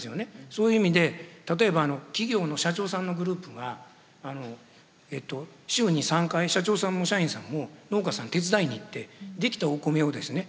そういう意味で例えば企業の社長さんのグループが週に３回社長さんも社員さんも農家さん手伝いに行ってできたお米をですね